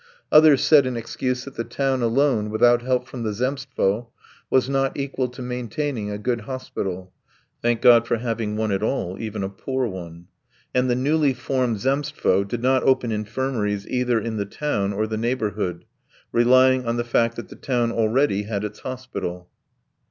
Others said in excuse that the town alone, without help from the Zemstvo, was not equal to maintaining a good hospital; thank God for having one at all, even a poor one. And the newly formed Zemstvo did not open infirmaries either in the town or the neighbourhood, relying on the fact that the town already had its hospital.